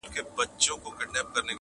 په سِن پوخ وو زمانې وو آزمېیلی!.